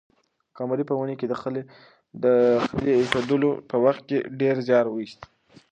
قمرۍ په ونې کې د خلي د اېښودلو په وخت کې ډېر زیار وایست.